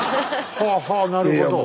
はあはあなるほど。